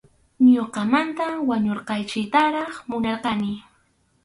Ñuqamantaqa wañurqachiytaraq munarqani.